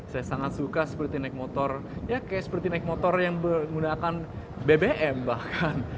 saya sangat suka seperti naik motor ya kayak seperti naik motor yang menggunakan bbm bahkan